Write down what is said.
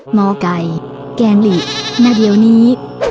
หมอไก่แกล้งหลีหน้าเดียวนี้